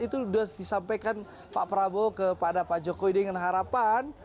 itu sudah disampaikan pak prabowo kepada pak jokowi dengan harapan